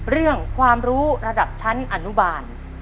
เรื่องความรู้ระดับชั้นอนุบาล